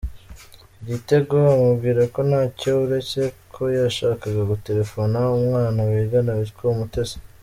Igitego amubwira ko ntacyo uretse ko yashakaga gutelefona umwana bigana witwa Umutesi.